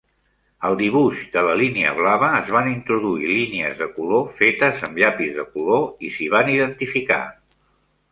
Al dibuix de la línia blava es van introduir línies de color fetes amb llapis de color i s'hi van identificar.